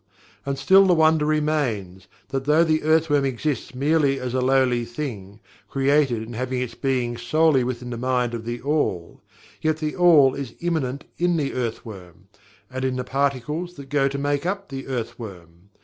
And still the wonder remains, that though the earth worm exists merely as a lowly thing, created and having its being solely within the Mind of THE ALL yet THE ALL is immanent in the earthworm, and in the particles that go to make up the earth worm.